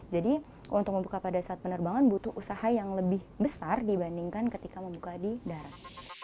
jadi untuk membuka pada saat penerbangan butuh usaha yang lebih besar dibandingkan ketika membuka di darat